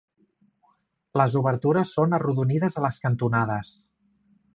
Les obertures són arrodonides a les cantonades.